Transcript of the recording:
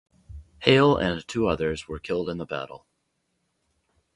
Hale and two others were killed in the battle.